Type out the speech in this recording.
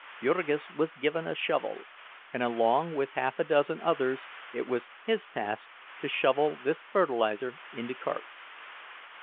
Jurgis was given a shovel, and along with half a dozen others it was his task to shovel this fertilizer into carts.